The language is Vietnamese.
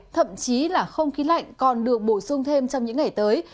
thậm chí là không khí lạnh còn được bổ sung thêm trong những ngày tới